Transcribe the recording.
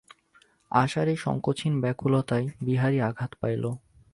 আশার এই সংকোচহীন ব্যাকুলতায় বিহারী আঘাত পাইল।